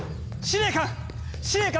司令官！